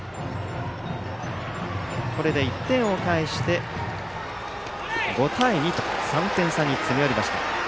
これで１点を返して５対２と３点差に詰め寄りました。